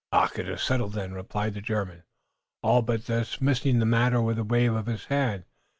"Ach! It is settled, then," replied the German, all but dismissing the matter with a wave of his hand.